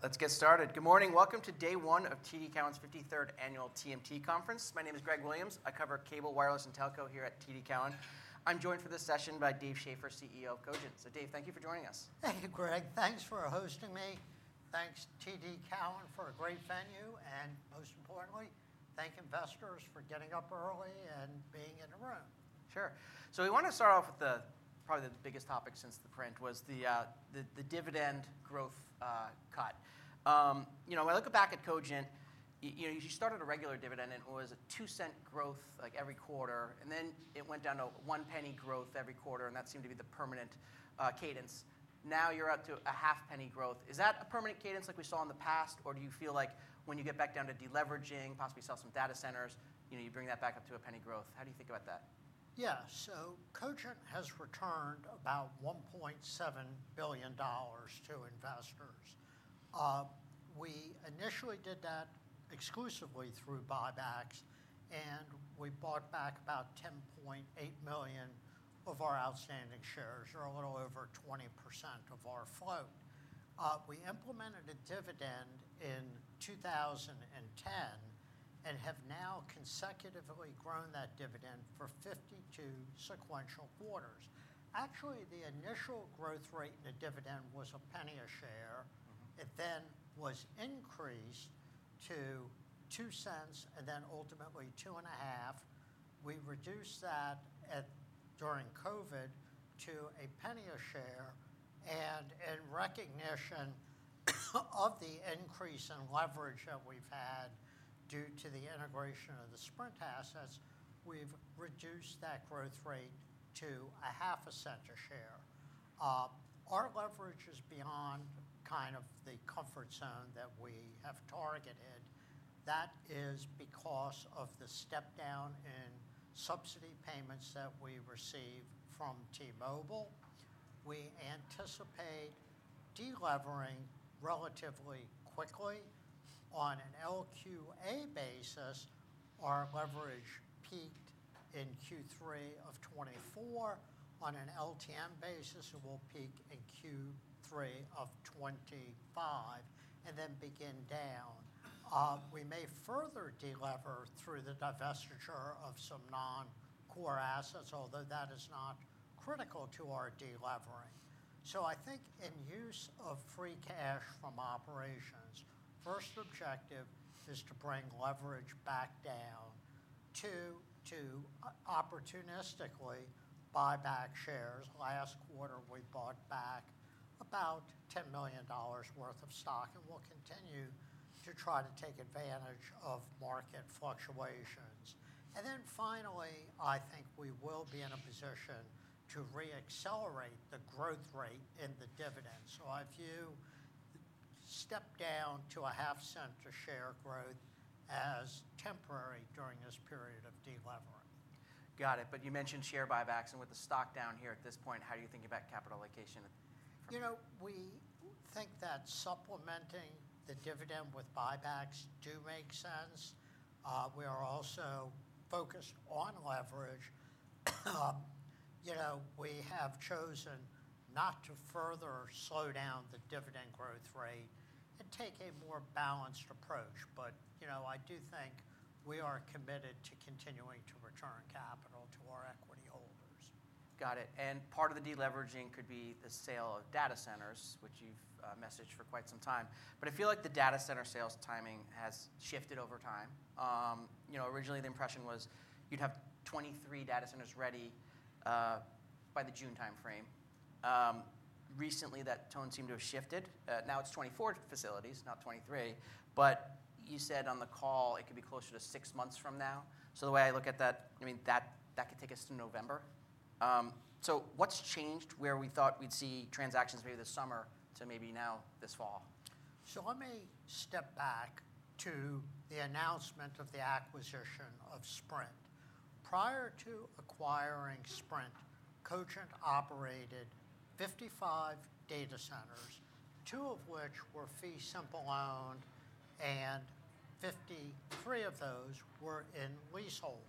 Let's get started. Good morning. Welcome to day one of TD Cowen's 53rd annual TMT Conference. My name is Greg Williams. I cover cable, wireless, and telco here at TD Cowen. I'm joined for this session by Dave Schaeffer, CEO of Cogent. So, Dave, thank you for joining us. Thank you, Greg. Thanks for hosting me. Thanks, TD Cowen, for a great venue. Most importantly, thank investors for getting up early and being in the room. Sure. We want to start off with probably the biggest topic since the print was the dividend growth cut. You know, when I look back at Cogent, you started a regular dividend, and it was a 2-cent growth every quarter. Then it went down to 1 penny growth every quarter. That seemed to be the permanent cadence. Now you are up to a half-penny growth. Is that a permanent cadence like we saw in the past? Or do you feel like when you get back down to deleveraging, possibly sell some data centers, you bring that back up to a penny growth? How do you think about that? Yeah. Cogent has returned about $1.7 billion to investors. We initially did that exclusively through buybacks. We bought back about 10.8 million of our outstanding shares, or a little over 20% of our float. We implemented a dividend in 2010 and have now consecutively grown that dividend for 52 sequential quarters. Actually, the initial growth rate in a dividend was a penny a share. It then was increased to 2 cents and then ultimately 2 and a half. We reduced that during COVID to a penny a share. In recognition of the increase in leverage that we have had due to the integration of the Sprint assets, we have reduced that growth rate to half a cent a share. Our leverage is beyond kind of the comfort zone that we have targeted. That is because of the step down in subsidy payments that we receive from T-Mobile. We anticipate delivering relatively quickly. On an LQA basis, our leverage peaked in Q3 of 2024. On an LTM basis, it will peak in Q3 of 2025 and then begin down. We may further delever through the divestiture of some non-core assets, although that is not critical to our delevering. I think in use of free cash from operations, the first objective is to bring leverage back down to opportunistically buy back shares. Last quarter, we bought back about $10 million worth of stock and will continue to try to take advantage of market fluctuations. Finally, I think we will be in a position to re-accelerate the growth rate in the dividend. I view the step down to a half-cent a share growth as temporary during this period of delevering. Got it. You mentioned share buybacks. With the stock down here at this point, how do you think about capital allocation? You know, we think that supplementing the dividend with buybacks does make sense. We are also focused on leverage. You know, we have chosen not to further slow down the dividend growth rate and take a more balanced approach. You know, I do think we are committed to continuing to return capital to our equity holders. Got it. Part of the deleveraging could be the sale of data centers, which you've messaged for quite some time. I feel like the data center sales timing has shifted over time. You know, originally the impression was you'd have 23 data centers ready by the June timeframe. Recently, that tone seemed to have shifted. Now it's 24 facilities, not 23. You said on the call it could be closer to six months from now. The way I look at that, I mean, that could take us to November. What's changed where we thought we'd see transactions maybe this summer to maybe now this fall? Let me step back to the announcement of the acquisition of Sprint. Prior to acquiring Sprint, Cogent operated 55 data centers, two of which were fee simple owned and 53 of those were in leaseholds.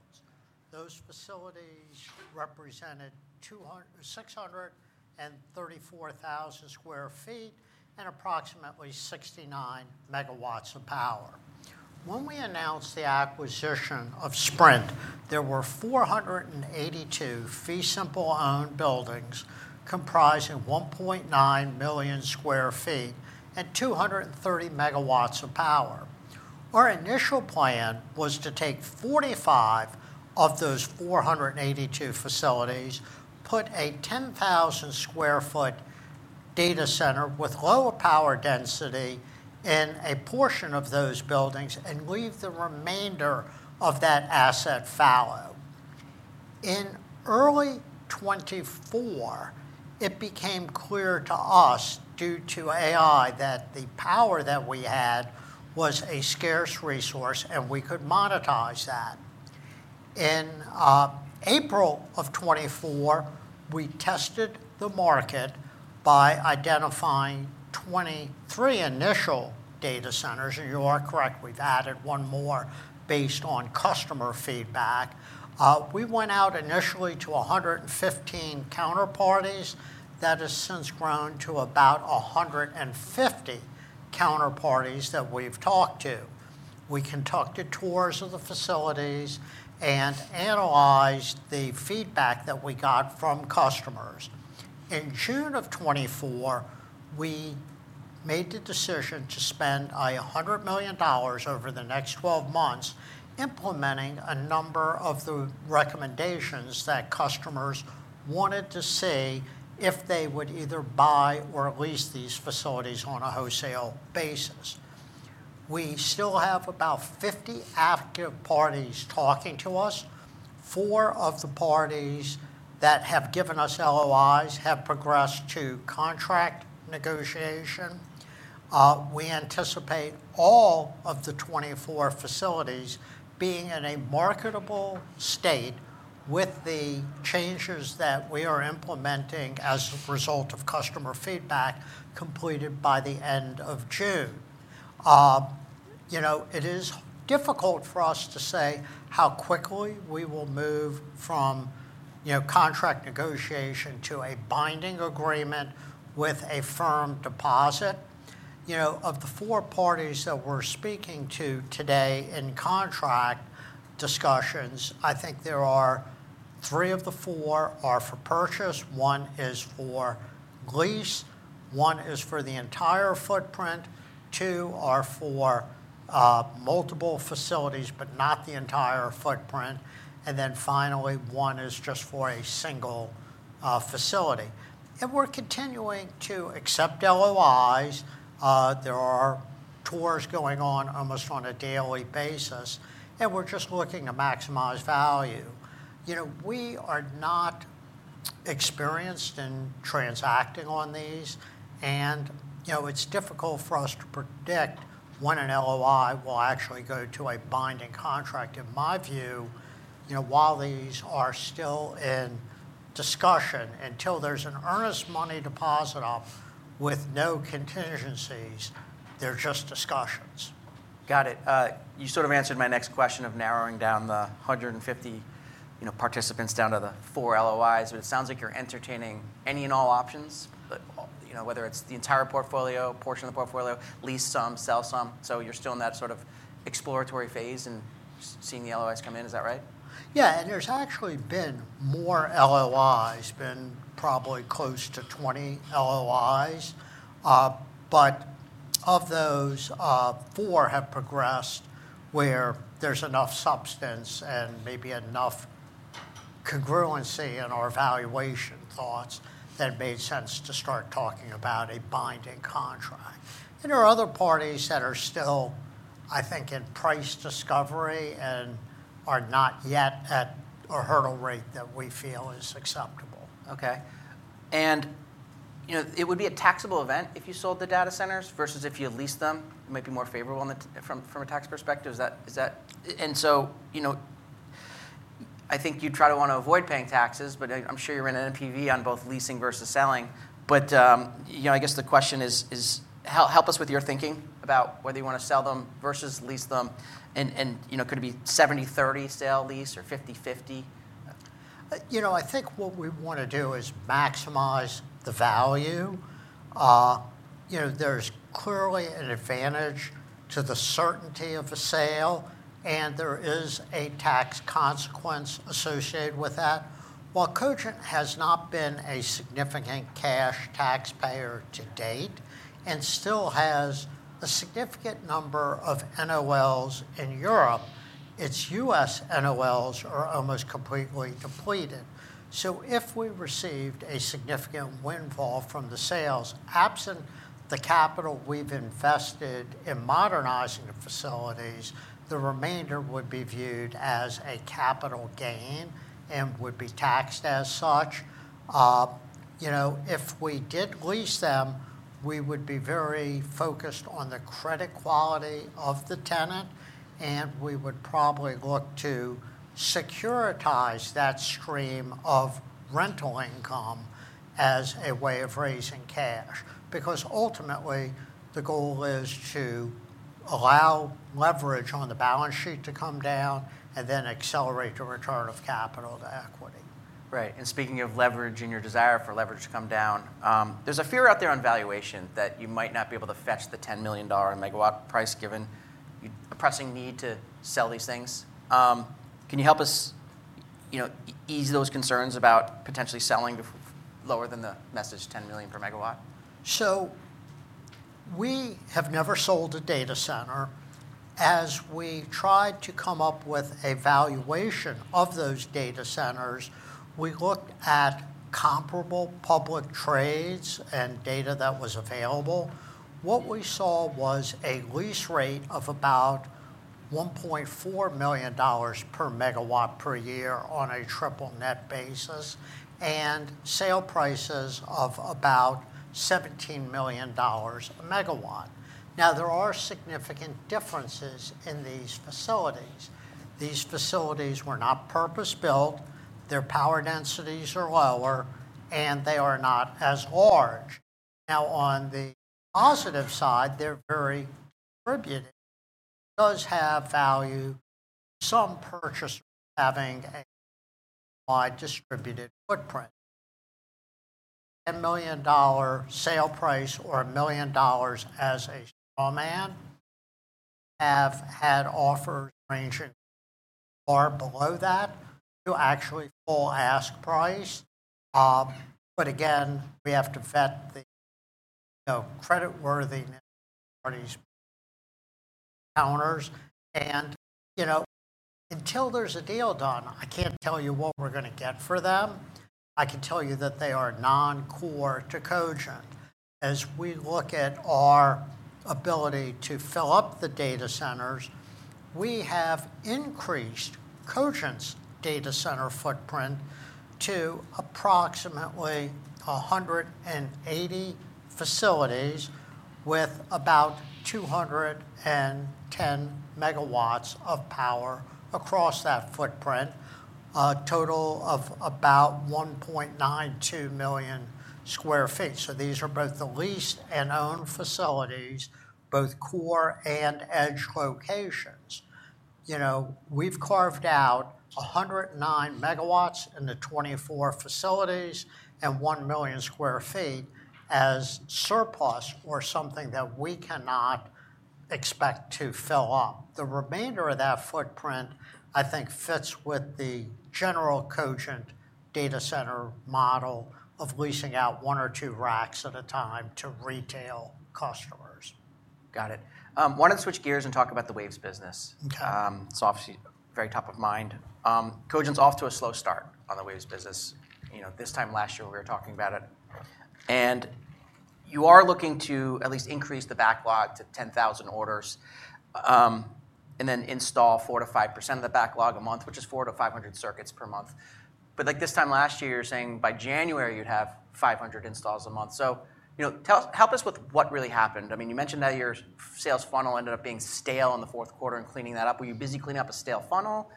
Those facilities represented 634,000 sq ft and approximately 69 MW of power. When we announced the acquisition of Sprint, there were 482 fee simple owned buildings comprising 1.9 million sq ft and 230 MW of power. Our initial plan was to take 45 of those 482 facilities, put a 10,000 sq ft data center with lower power density in a portion of those buildings, and leave the remainder of that asset fallow. In early 2024, it became clear to us due to AI that the power that we had was a scarce resource and we could monetize that. In April of 2024, we tested the market by identifying 23 initial data centers. You are correct, we've added one more based on customer feedback. We went out initially to 115 counterparties. That has since grown to about 150 counterparties that we've talked to. We conducted tours of the facilities and analyzed the feedback that we got from customers. In June of 2024, we made the decision to spend $100 million over the next 12 months implementing a number of the recommendations that customers wanted to see if they would either buy or lease these facilities on a wholesale basis. We still have about 50 active parties talking to us. Four of the parties that have given us LOIs have progressed to contract negotiation. We anticipate all of the 24 facilities being in a marketable state with the changes that we are implementing as a result of customer feedback completed by the end of June. You know, it is difficult for us to say how quickly we will move from contract negotiation to a binding agreement with a firm deposit. You know, of the four parties that we're speaking to today in contract discussions, I think three of the four are for purchase. One is for lease. One is for the entire footprint. Two are for multiple facilities, but not the entire footprint. One is just for a single facility. We are continuing to accept LOIs. There are tours going on almost on a daily basis. We are just looking to maximize value. You know, we are not experienced in transacting on these. You know, it is difficult for us to predict when an LOI will actually go to a binding contract. In my view, you know, while these are still in discussion until there's an earnest money deposit off with no contingencies, they're just discussions. Got it. You sort of answered my next question of narrowing down the 150 participants down to the four LOIs. It sounds like you're entertaining any and all options, whether it's the entire portfolio, a portion of the portfolio, lease some, sell some. You're still in that sort of exploratory phase and seeing the LOIs come in. Is that right? Yeah. There have actually been more LOIs. It has been probably close to 20 LOIs. Of those, four have progressed where there is enough substance and maybe enough congruency in our valuation thoughts that it made sense to start talking about a binding contract. There are other parties that are still, I think, in price discovery and are not yet at a hurdle rate that we feel is acceptable. Okay. And, you know, it would be a taxable event if you sold the data centers versus if you leased them. It might be more favorable from a tax perspective. Is that? You know, I think you'd try to want to avoid paying taxes, but I'm sure you're in an NPV on both leasing versus selling. But, you know, I guess the question is, help us with your thinking about whether you want to sell them versus lease them. And, you know, could it be 70-30 sale, lease, or 50-50? You know, I think what we want to do is maximize the value. You know, there's clearly an advantage to the certainty of a sale, and there is a tax consequence associated with that. While Cogent has not been a significant cash taxpayer to date and still has a significant number of NOLs in Europe, its U.S. NOLs are almost completely depleted. So if we received a significant windfall from the sales, absent the capital we've invested in modernizing the facilities, the remainder would be viewed as a capital gain and would be taxed as such. You know, if we did lease them, we would be very focused on the credit quality of the tenant. And we would probably look to securitize that stream of rental income as a way of raising cash. Because ultimately, the goal is to allow leverage on the balance sheet to come down and then accelerate the return of capital to equity. Right. And speaking of leverage and your desire for leverage to come down, there's a fear out there on valuation that you might not be able to fetch the $10 million per MW price given the pressing need to sell these things. Can you help us, you know, ease those concerns about potentially selling lower than the message $10 million per MW? We have never sold a data center. As we tried to come up with a valuation of those data centers, we looked at comparable public trades and data that was available. What we saw was a lease rate of about $1.4 million per MW per year on a triple net basis and sale prices of about $17 million a MW. Now, there are significant differences in these facilities. These facilities were not purpose-built. Their power densities are lower, and they are not as large. Now, on the positive side, they're very distributed. It does have value to some purchasers having a wide distributed footprint. $10 million sale price or $1 million as a straw man have had offers ranging far below that to actually full ask price. Again, we have to vet the creditworthiness of these counters. You know, until there's a deal done, I can't tell you what we're going to get for them. I can tell you that they are non-core to Cogent. As we look at our ability to fill up the data centers, we have increased Cogent's data center footprint to approximately 180 facilities with about 210 MW of power across that footprint, a total of about 1.92 million sq ft. These are both the leased and owned facilities, both core and edge locations. You know, we've carved out 109 MW in the 24 facilities and 1 million sq ft as surplus or something that we cannot expect to fill up. The remainder of that footprint, I think, fits with the general Cogent data center model of leasing out one or two racks at a time to retail customers. Got it. Wanted to switch gears and talk about the Waves business. Okay. It's obviously very top of mind. Cogent's off to a slow start on the Waves business. You know, this time last year we were talking about it. You are looking to at least increase the backlog to 10,000 orders and then install 4%-5% of the backlog a month, which is 400-500 circuits per month. Like this time last year, you're saying by January you'd have 500 installs a month. You know, help us with what really happened. I mean, you mentioned that your sales funnel ended up being stale in the fourth quarter and cleaning that up. Were you busy cleaning up a stale funnel?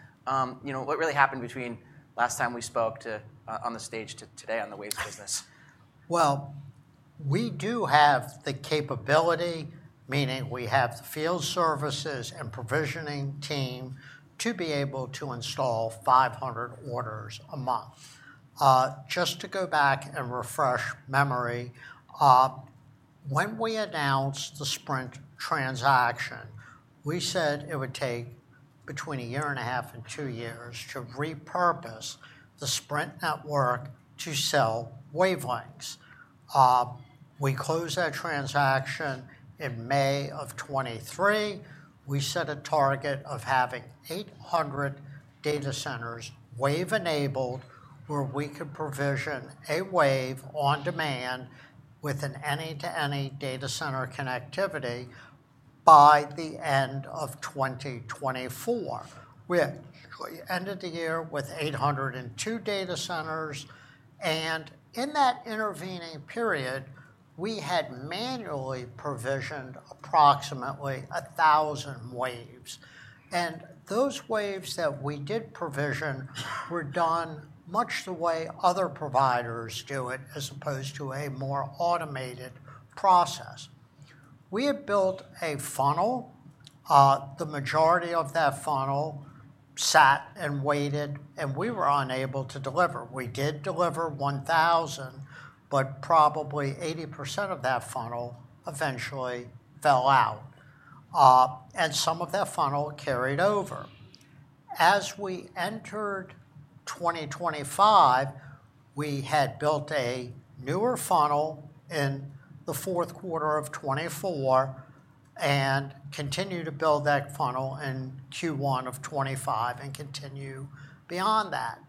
You know, what really happened between last time we spoke to on the stage today on the Waves business? We do have the capability, meaning we have the field services and provisioning team to be able to install 500 orders a month. Just to go back and refresh memory, when we announced the Sprint transaction, we said it would take between a year and a half and two years to repurpose the Sprint network to sell wavelengths. We closed that transaction in May of 2023. We set a target of having 800 data centers wave-enabled where we could provision a wave on demand with an any-to-any data center connectivity by the end of 2024. We ended the year with 802 data centers. In that intervening period, we had manually provisioned approximately 1,000 waves. Those waves that we did provision were done much the way other providers do it, as opposed to a more automated process. We had built a funnel. The majority of that funnel sat and waited, and we were unable to deliver. We did deliver 1,000, but probably 80% of that funnel eventually fell out. Some of that funnel carried over. As we entered 2025, we had built a newer funnel in the fourth quarter of 2024 and continued to build that funnel in Q1 of 2025 and continue beyond that.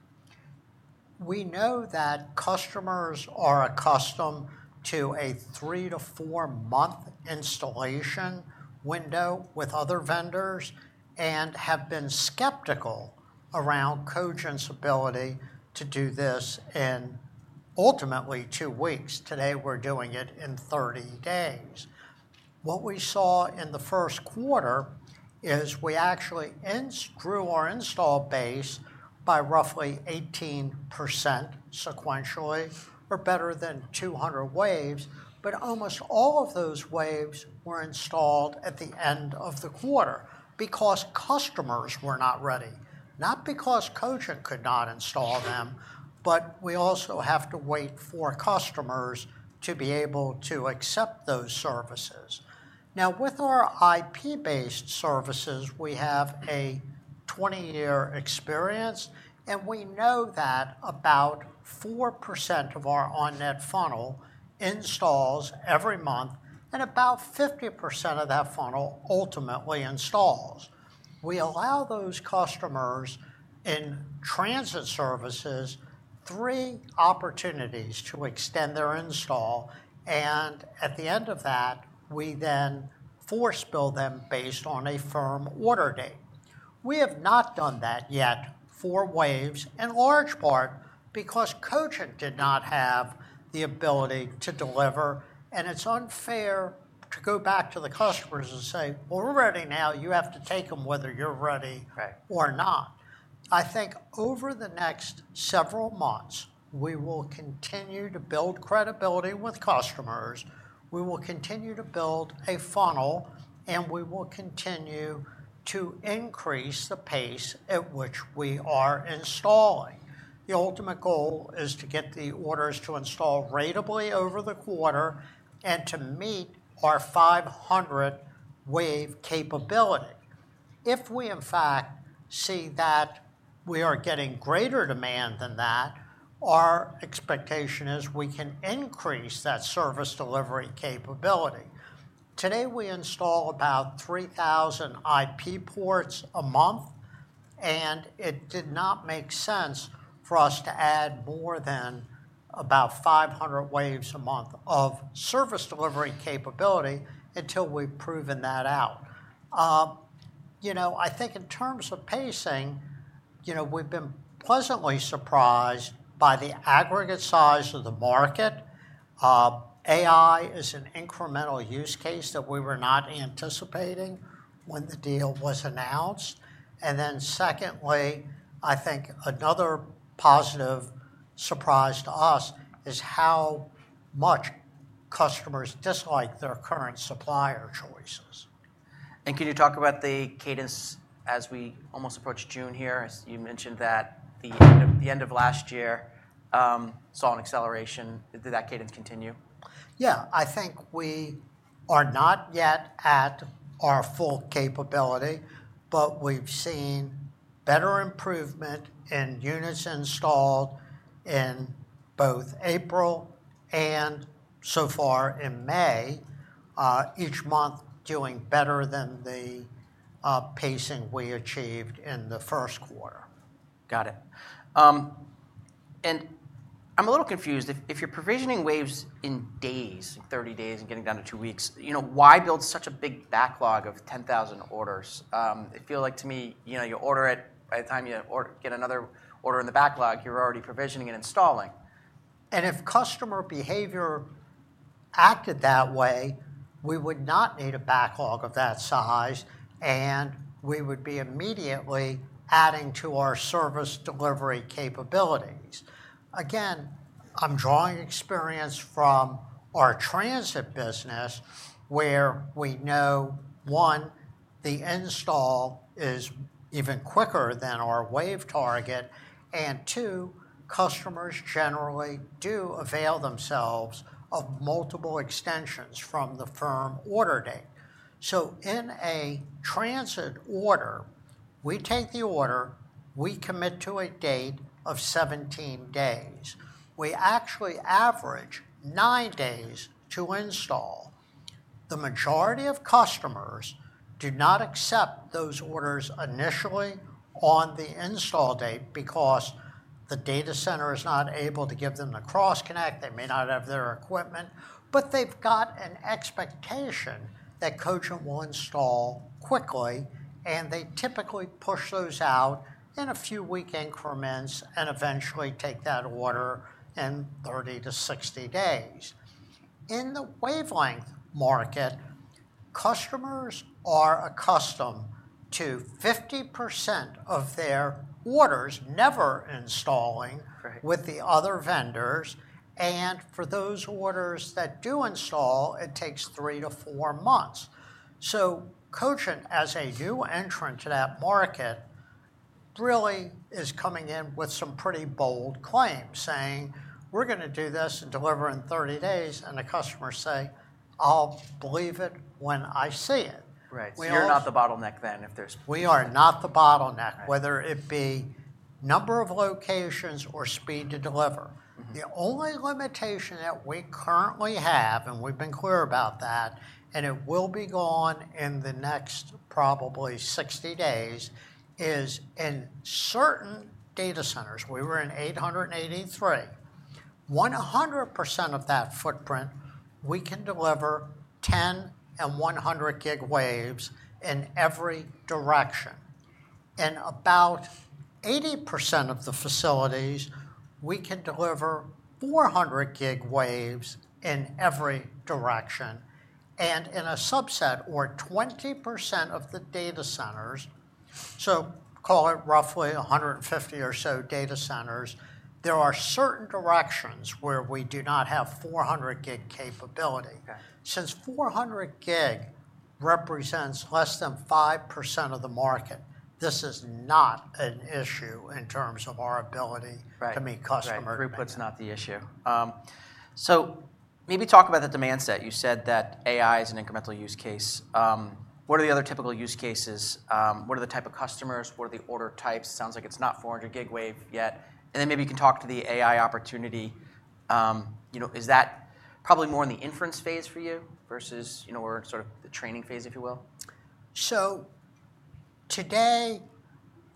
We know that customers are accustomed to a three to four-month installation window with other vendors and have been skeptical around Cogent's ability to do this in ultimately two weeks. Today, we are doing it in 30 days. What we saw in the first quarter is we actually grew our install base by roughly 18% sequentially or better than 200 waves. Almost all of those waves were installed at the end of the quarter because customers were not ready. Not because Cogent could not install them, but we also have to wait for customers to be able to accept those services. Now, with our IP-based services, we have a 20-year experience, and we know that about 4% of our on-net funnel installs every month, and about 50% of that funnel ultimately installs. We allow those customers in transit services three opportunities to extend their install. At the end of that, we then force bill them based on a firm order date. We have not done that yet for Waves, in large part because Cogent did not have the ability to deliver. It is unfair to go back to the customers and say, "We're ready now. You have to take them whether you're ready or not." I think over the next several months, we will continue to build credibility with customers. We will continue to build a funnel, and we will continue to increase the pace at which we are installing. The ultimate goal is to get the orders to install ratably over the quarter and to meet our 500 wave capability. If we, in fact, see that we are getting greater demand than that, our expectation is we can increase that service delivery capability. Today, we install about 3,000 IP ports a month, and it did not make sense for us to add more than about 500 waves a month of service delivery capability until we've proven that out. You know, I think in terms of pacing, you know, we've been pleasantly surprised by the aggregate size of the market. AI is an incremental use case that we were not anticipating when the deal was announced. I think another positive surprise to us is how much customers dislike their current supplier choices. Can you talk about the cadence as we almost approach June here? You mentioned that the end of last year saw an acceleration. Did that cadence continue? Yeah. I think we are not yet at our full capability, but we've seen better improvement in units installed in both April and so far in May, each month doing better than the pacing we achieved in the first quarter. Got it. I'm a little confused. If you're provisioning waves in days, 30 days and getting down to two weeks, you know, why build such a big backlog of 10,000 orders? It feels like to me, you know, you order it, by the time you get another order in the backlog, you're already provisioning and installing. If customer behavior acted that way, we would not need a backlog of that size, and we would be immediately adding to our service delivery capabilities. Again, I'm drawing experience from our transit business where we know, one, the install is even quicker than our wave target, and two, customers generally do avail themselves of multiple extensions from the firm order date. In a transit order, we take the order, we commit to a date of 17 days. We actually average nine days to install. The majority of customers do not accept those orders initially on the install date because the data center is not able to give them the cross-connect. They may not have their equipment, but they've got an expectation that Cogent will install quickly, and they typically push those out in a few week increments and eventually take that order in 30-60 days. In the wavelength market, customers are accustomed to 50% of their orders never installing with the other vendors. For those orders that do install, it takes three to four months. Cogent, as a new entrant to that market, really is coming in with some pretty bold claims saying, "We're going to do this and deliver in 30 days," and the customers say, "I'll believe it when I see it. Right. So you're not the bottleneck then if there's? We are not the bottleneck, whether it be number of locations or speed to deliver. The only limitation that we currently have, and we've been clear about that, and it will be gone in the next probably 60 days, is in certain data centers, we were in 883, 100% of that footprint, we can deliver 10 and 100 gig waves in every direction. In about 80% of the facilities, we can deliver 400 gig waves in every direction. In a subset or 20% of the data centers, so call it roughly 150 or so data centers, there are certain directions where we do not have 400 gig capability. Since 400 gig represents less than 5% of the market, this is not an issue in terms of our ability to meet customer needs. Right. Throughput's not the issue. Maybe talk about the demand set. You said that AI is an incremental use case. What are the other typical use cases? What are the type of customers? What are the order types? It sounds like it's not 400 gig wave yet. Maybe you can talk to the AI opportunity. You know, is that probably more in the inference phase for you versus, you know, or sort of the training phase, if you will? Today,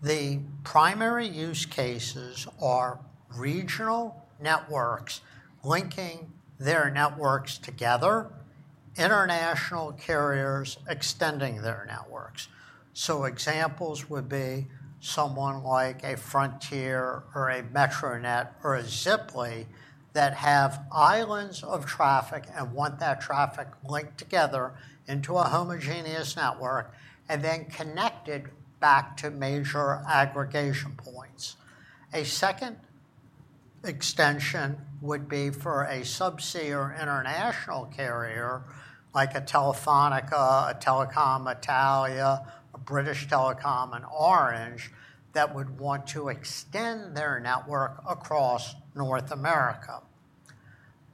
the primary use cases are regional networks linking their networks together, international carriers extending their networks. Examples would be someone like a Frontier or a Metronet or a Ziply that have islands of traffic and want that traffic linked together into a homogeneous network and then connected back to major aggregation points. A second extension would be for a subsea or international carrier like a Telefónica, a Telecom Italia, a British Telecom, an Orange that would want to extend their network across North America.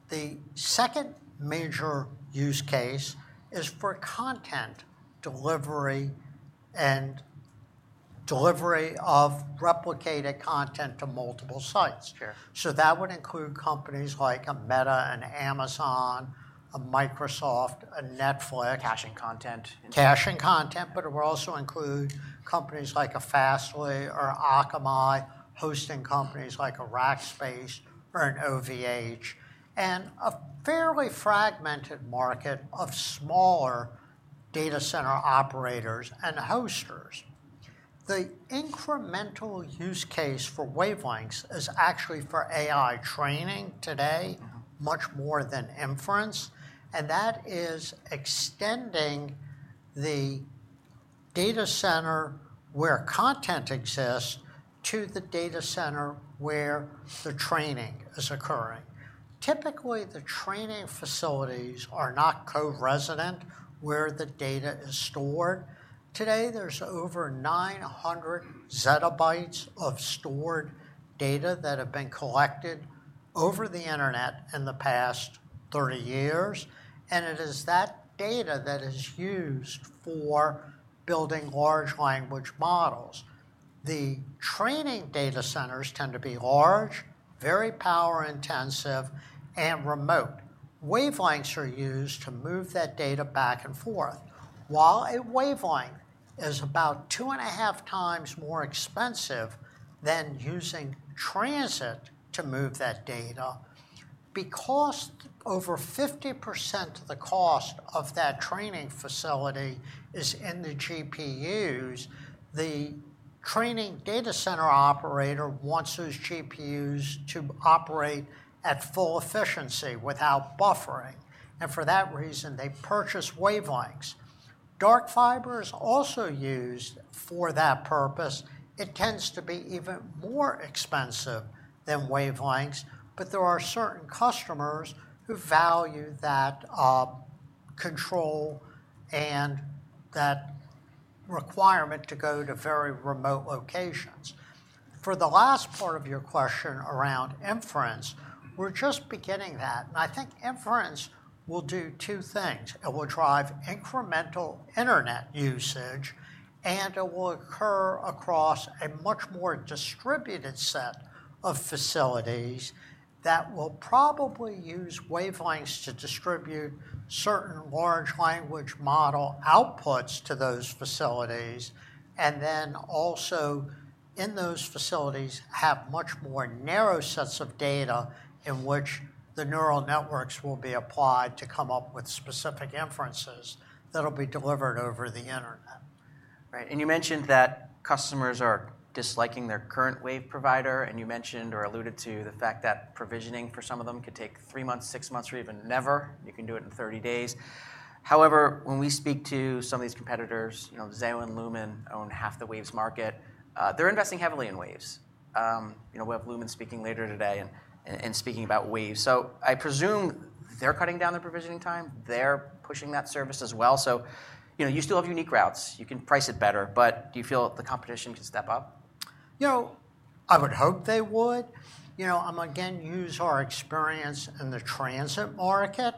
The second major use case is for content delivery and delivery of replicated content to multiple sites. That would include companies like a Meta and Amazon, a Microsoft, a Netflix. Caching content. Caching content, but it would also include companies like a Fastly or Akamai, hosting companies like a Rackspace or an OVH, and a fairly fragmented market of smaller data center operators and hosters. The incremental use case for wavelengths is actually for AI training today, much more than inference. That is extending the data center where content exists to the data center where the training is occurring. Typically, the training facilities are not co-resident where the data is stored. Today, there is over 900 zettabytes of stored data that have been collected over the internet in the past 30 years. It is that data that is used for building large language models. The training data centers tend to be large, very power-intensive, and remote. Wavelengths are used to move that data back and forth. While a wavelength is about two and a half times more expensive than using transit to move that data, because over 50% of the cost of that training facility is in the GPUs, the training data center operator wants those GPUs to operate at full efficiency without buffering. For that reason, they purchase wavelengths. Dark fiber is also used for that purpose. It tends to be even more expensive than wavelengths, but there are certain customers who value that control and that requirement to go to very remote locations. For the last part of your question around inference, we're just beginning that. I think inference will do two things. It will drive incremental internet usage, and it will occur across a much more distributed set of facilities that will probably use wavelengths to distribute certain large language model outputs to those facilities, and then also in those facilities have much more narrow sets of data in which the neural networks will be applied to come up with specific inferences that'll be delivered over the internet. Right. You mentioned that customers are disliking their current wave provider, and you mentioned or alluded to the fact that provisioning for some of them could take three months, six months, or even never. You can do it in 30 days. However, when we speak to some of these competitors, you know, Zayo and Lumen own half the waves market. They are investing heavily in waves. You know, we have Lumen speaking later today and speaking about waves. I presume they are cutting down their provisioning time. They are pushing that service as well. You still have unique routes. You can price it better, but do you feel the competition can step up? You know, I would hope they would. You know, I'm again, use our experience in the transit market.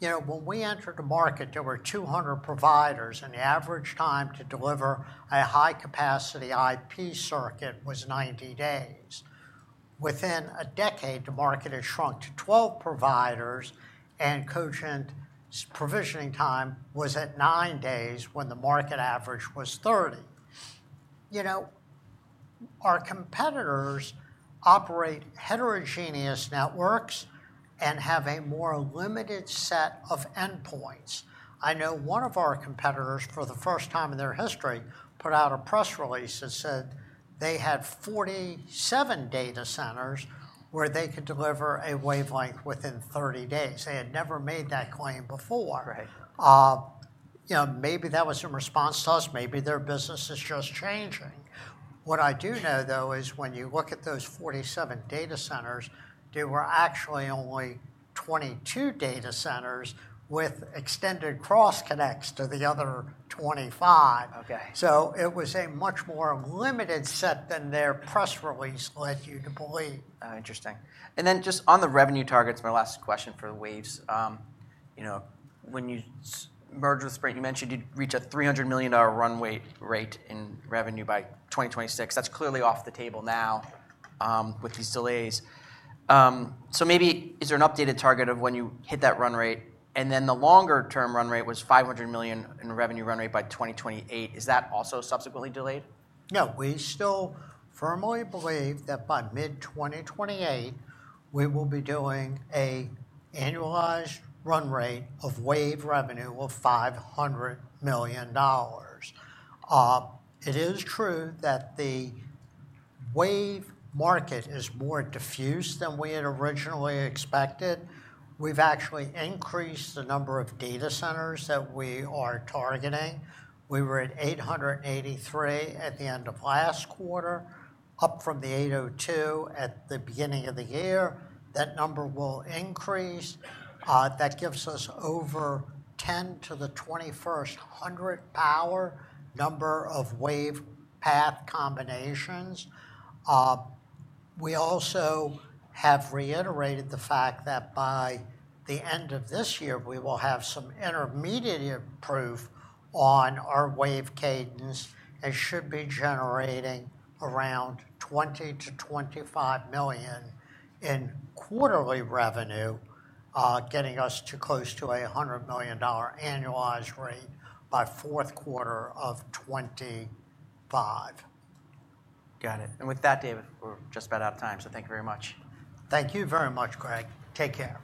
You know, when we entered the market, there were 200 providers, and the average time to deliver a high-capacity IP circuit was 90 days. Within a decade, the market has shrunk to 12 providers, and Cogent's provisioning time was at nine days when the market average was 30. You know, our competitors operate heterogeneous networks and have a more limited set of endpoints. I know one of our competitors, for the first time in their history, put out a press release and said they had 47 data centers where they could deliver a wavelength within 30 days. They had never made that claim before. You know, maybe that was in response to us. Maybe their business is just changing. What I do know, though, is when you look at those 47 data centers, there were actually only 22 data centers with extended cross-connects to the other 25. So it was a much more limited set than their press release led you to believe. Interesting. And then just on the revenue targets, my last question for the Waves. You know, when you merged with Sprint, you mentioned you'd reach a $300 million run rate in revenue by 2026. That's clearly off the table now with these delays. So maybe is there an updated target of when you hit that run rate? And then the longer-term run rate was $500 million in revenue run rate by 2028. Is that also subsequently delayed? No, we still firmly believe that by mid-2028, we will be doing an annualized run rate of wave revenue of $500 million. It is true that the wave market is more diffused than we had originally expected. We've actually increased the number of data centers that we are targeting. We were at 883 at the end of last quarter, up from the 802 at the beginning of the year. That number will increase. That gives us over 10 to the 21st power number of wave path combinations. We also have reiterated the fact that by the end of this year, we will have some intermediate proof on our wave cadence and should be generating around $20-$25 million in quarterly revenue, getting us close to a $100 million annualized rate by fourth quarter of 2025. Got it. With that, David, we're just about out of time. Thank you very much. Thank you very much, Greg. Take care.